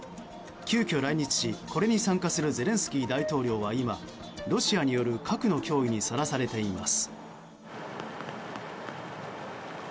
急きょ来日し、これに参加するゼレンスキー大統領は現在ロシアによる核の脅威にさらされています。